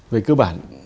về cơ bản